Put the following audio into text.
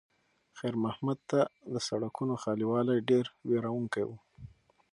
خیر محمد ته د سړکونو خالي والی ډېر وېروونکی و.